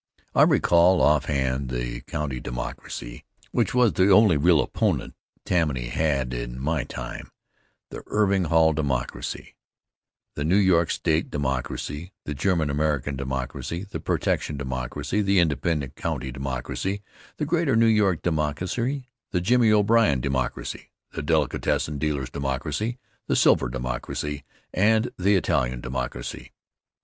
I recall offhand the County Democracy, which was the only real opponent Tammany has had in my time, the Irving Hall Democracy, the New York State Democracy, the German American Democracy, the Protection Democracy, the Independent County Democracy, the Greater New York Democracy, the Jimmy O'Brien Democracy, the Delicatessen Dealers' Democracy, the Silver Democracy, and the Italian Democracy.